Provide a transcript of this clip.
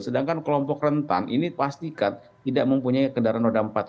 sedangkan kelompok rentan ini pastikan tidak mempunyai kendaraan roda empat